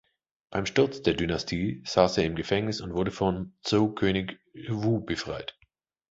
Beim Sturz der Dynastie saß er im Gefängnis und wurde vom Zhou-König Wu befreit.